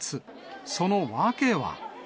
その訳は。